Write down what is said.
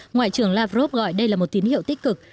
ngoại trưởng lavrov gọi đây là một tín hiệu tích cực